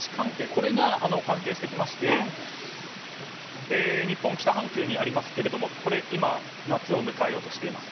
これが関係してきまして日本は北半球にありますが今、夏を迎えようとしています。